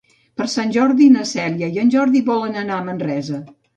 Per Sant Jordi na Cèlia i en Jordi volen anar a Manresa.